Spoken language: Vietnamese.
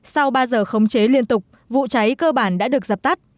sau ba giờ khống chế liên tục vụ cháy cơ bản đã được dập tắt